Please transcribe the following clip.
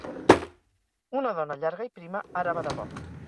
Una dona llarga i prima, ara va de bo